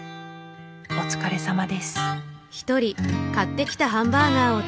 お疲れさまです。